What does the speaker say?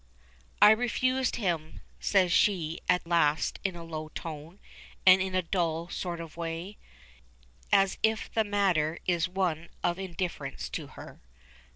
"I refused him," says she at last in a low tone, and in a dull sort of way, as if the matter is one of indifference to her.